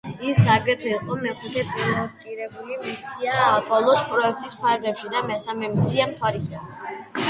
ის აგრეთვე იყო მეხუთე პილოტირებული მისია აპოლოს პროექტის ფარგლებში და მესამე მისია მთვარისკენ.